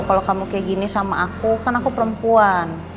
kalau kamu kayak gini sama aku kan aku perempuan